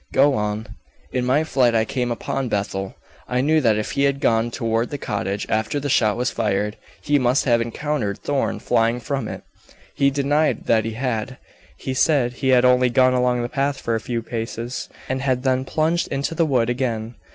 "Go on." "In my flight I came upon Bethel. I knew that if he had gone toward the cottage after the shot was fired, he must have encountered Thorn flying from it. He denied that he had; he said he had only gone along the path for a few paces, and had then plunged into the wood again.